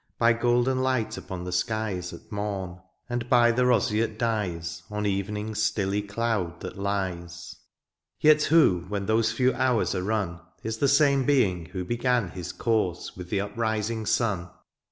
By golden light upon the skies At mom, and by the roseate dyes S4 DIOXTSIUS, On eTening's stilly ckMid that lies : Tet who, when those few hours are mn^ la the same heing who began His course with the uprising sun